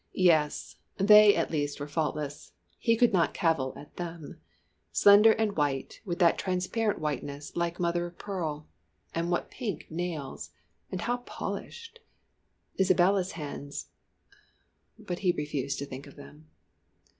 Yes, they at least were faultless; he could not cavil at them; slender and white, with that transparent whiteness like mother of pearl. And what pink nails! And how polished! Isabella's hands but he refused to think of them.